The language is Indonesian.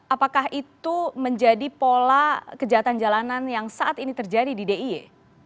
apakah itu menjadi pola kejahatan jalanan yang saat ini terjadi di d i e